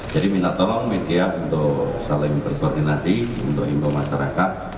jadi minat tolong media untuk saling berkoordinasi untuk impor masyarakat